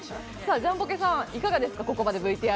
ジャンポケさん、いかがでしたか？